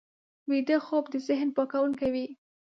ویده خوب د ذهن پاکوونکی وي